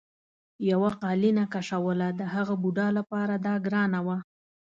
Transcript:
یوه قالینه کشوله د هغه بوډا لپاره دا ګرانه وه.